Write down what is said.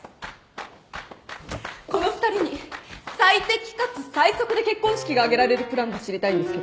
この２人に最適かつ最速で結婚式が挙げられるプランが知りたいんですけど。